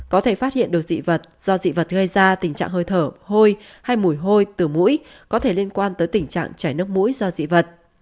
có thể phát hiện được dị vật do dị vật gây ra tình trạng hơi thở hôi hay mùi hôi tử mũi có thể liên quan tới tình trạng chảy nước mũi do dị vật